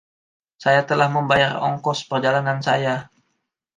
Saya telah membayar ongkos perjalanan saya.